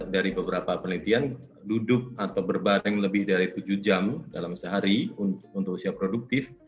dari beberapa penelitian duduk atau berbareng lebih dari tujuh jam dalam sehari untuk usia produktif